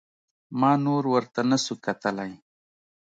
ما نور ورته نسو کتلاى.